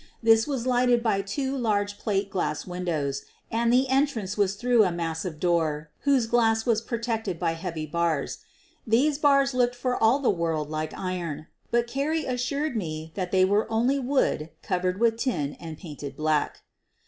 This was lighted by two large plate glass windows and the entrance was through a mas sive door whose glass was protected by heavy bars. These bars looked for all the world like iron, but Carrie assured me that they were only wood covered with tin and painted black.